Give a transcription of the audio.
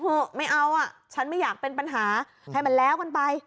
เถอะไม่เอาอ่ะฉันไม่อยากเป็นปัญหาให้มันแล้วกันไป